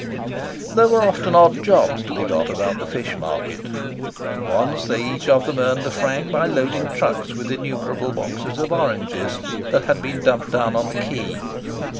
There were often odd jobs to be got about the fish market. Once they each of them earned a franc by loading trucks with innumerable boxes of oranges that had been dumped down on the quay.